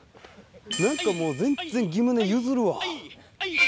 何かもう全然ギムネ譲るわ。